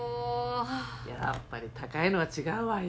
やっぱり高いのは違うわよ。